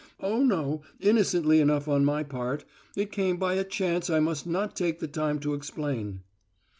Oh, no, innocently enough on my part it came by a chance I must not take the time to explain."